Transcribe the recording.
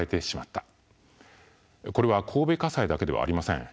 これは神戸家裁だけではありません。